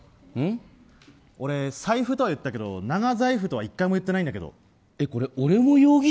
俺、財布とは言ったけど長財布とは１回も言ってないんだけど。